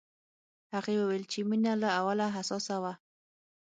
هغې وویل چې مينه له اوله حساسه وه